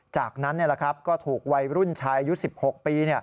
จากนั้นก็ถูกวัยรุ่นชายอายุ๑๖ปี